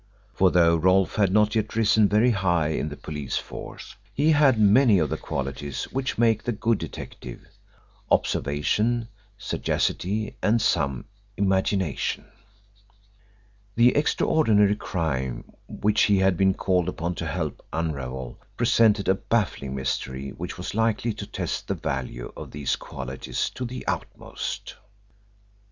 For though Rolfe had not yet risen very high in the police force, he had many of the qualities which make the good detective observation, sagacity, and some imagination. The extraordinary crime which he had been called upon to help unravel presented a baffling mystery which was likely to test the value of these qualities to the utmost.